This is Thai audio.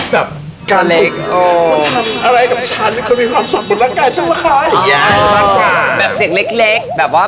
กะเล็ก